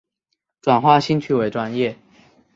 转化兴趣为专业